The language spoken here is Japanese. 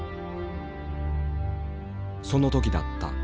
その時だった。